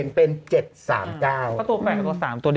โอเคโอเคโอเค